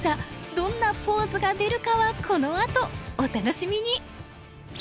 どんなポーズが出るかはこのあとお楽しみに！